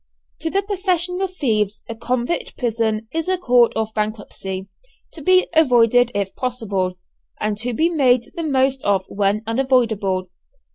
To the professional thieves a convict prison is a Court of Bankruptcy, to be avoided if possible, and to be made the most of when unavoidable.